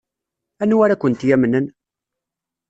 Anwa ara kent-yamnen?